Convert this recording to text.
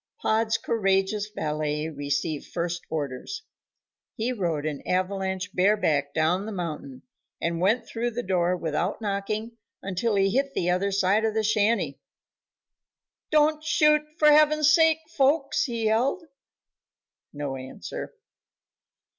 Pod's courageous valet received first orders. He rode an avalanche bareback down the mountain and went through the door without knocking until he hit the other side of the shanty. "Don't shoot, for heaven's sake, folks;" he yelled. No answer.